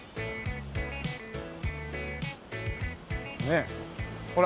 ねえほら